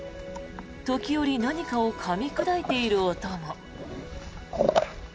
時折、何かをかみ砕いている音も。